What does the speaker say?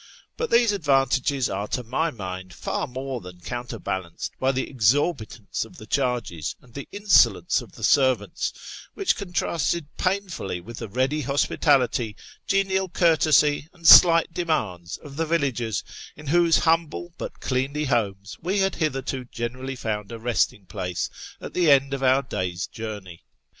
But these advantages are, to my mind, far more than counterbalanced by the exorbitance of the charges and the insolence of the servants, which contrasted painfully with the ready hospitality, genial courtesy, and slight demands of the villagers in whose humble but cleanly homes we had hitherto generally found a resting place at the end of our day's journey.